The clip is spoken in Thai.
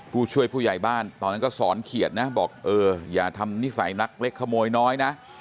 ผู้ช่วยผู้ใหญ่บ้านตอนนั้นก็สอนเขียดนะบอกเอออย่าทำนิสัยนักเล็กขโมยน้อยนะ